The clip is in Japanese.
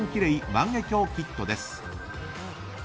万華鏡セット」です。